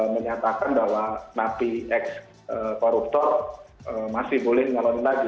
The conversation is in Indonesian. menyatakan bahwa napi ekskoruptor masih boleh menyalonin lagi